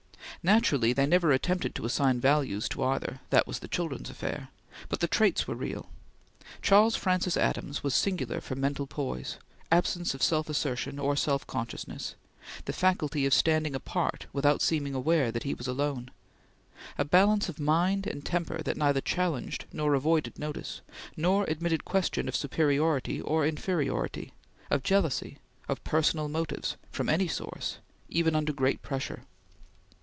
Naturally they never attempted to assign values to either; that was the children's affair; but the traits were real. Charles Francis Adams was singular for mental poise absence of self assertion or self consciousness the faculty of standing apart without seeming aware that he was alone a balance of mind and temper that neither challenged nor avoided notice, nor admitted question of superiority or inferiority, of jealousy, of personal motives, from any source, even under great pressure.